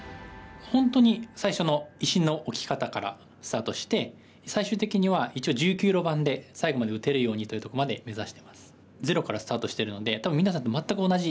本当に最初の石の置き方からスタートして最終的には一応１９路盤で最後まで打てるようにというとこまで目指してます。